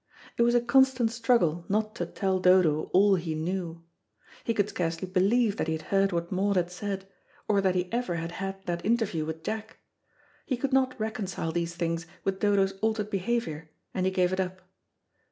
It was a constant struggle not to tell Dodo all he knew. He could scarcely believe that he had heard what Maud had said, or that he ever had had that interview with Jack. He could not reconcile these things with Dodo's altered behaviour, and he gave it up.